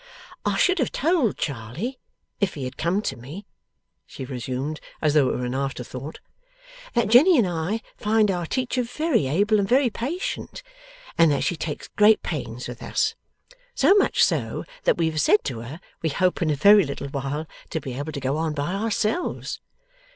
'I should have told Charley, if he had come to me,' she resumed, as though it were an after thought, 'that Jenny and I find our teacher very able and very patient, and that she takes great pains with us. So much so, that we have said to her we hope in a very little while to be able to go on by ourselves.